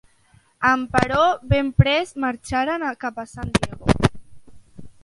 Emperò, ben prest marxaren cap a San Diego.